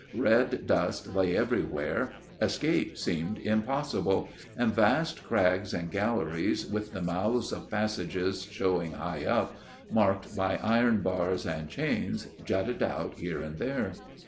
Red dust lay everywhere, escape seemed impossible ; and vast crags and galleries, with the mouths of passages showing high up, marked by iron bars and chains, jutted out here and there.